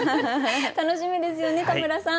楽しみですよね田村さん。